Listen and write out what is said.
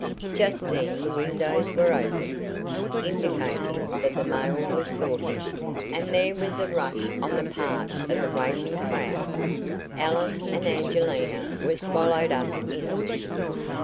Just then the windows were opened, indicating that the mail was sorted, and there was a rush on the part of the waiting crowd. Alice and Angelina were swallowed up in it.